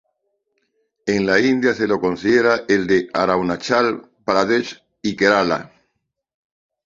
En la India se lo considera el de Arunachal Pradesh y Kerala.